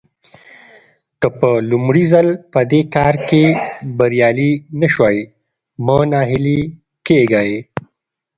که په لومړي ځل په دې کار کې بريالي نه شوئ مه ناهيلي کېږئ.